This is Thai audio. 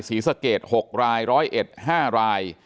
ศรีสะเกต๖รายร้อยเอ็ด๕ราย